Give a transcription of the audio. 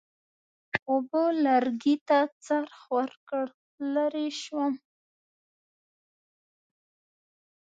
اوبو لرګي ته څرخ ورکړ، لرې شوم.